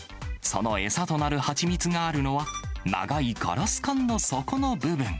その餌となる蜂蜜があるのは、長いガラス管の底の部分。